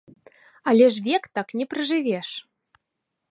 Але ж век так не пражывеш.